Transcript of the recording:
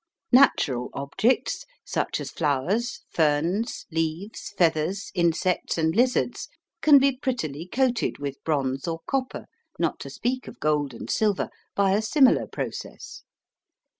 Natural objects, such as flowers, ferns, leaves, feathers, insects, and lizards, can be prettily coated with bronze or copper, not to speak of gold and silver, by a similar process.